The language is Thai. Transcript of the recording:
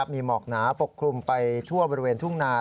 มีหมอกหนาปกคลุมไปทั่วบริเวณทุ่งนา